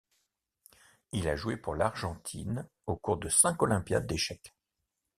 Il a joué pour l'Argentine au cours de cinq Olympiades d'échecs.